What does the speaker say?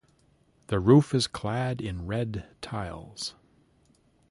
The roof is clad in red tiles.